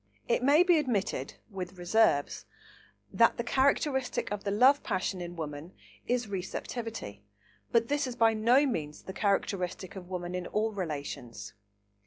It may be admitted, with reserves, that the characteristic of the love passion in woman is receptivity, but this is by no means the characteristic of woman in all relations.